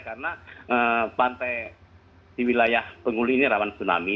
karena pantai di wilayah bengkulu ini rawan tsunami